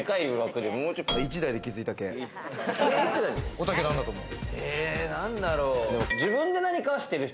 おたけ、なんだと思う？